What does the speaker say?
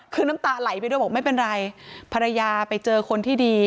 คือน้ำตาไหลไปด้วยบอกไม่เป็นไรภรรยาไปเจอคนที่ดี